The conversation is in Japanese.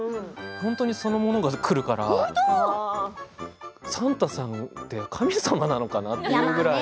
本当に、その物がくるからサンタさんって神様なのかな？というくらい。